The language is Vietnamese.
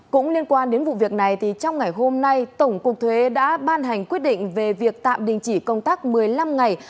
cũng liên quan đến vụ việc này trong ngày hôm nay tổng cục thuế đã ban hành quyết định về việc tạm đình chỉ công tác một mươi năm ngày